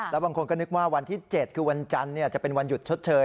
แล้วบางคนก็นึกว่าวันที่๗คือวันจันทร์จะเป็นวันหยุดชดเชย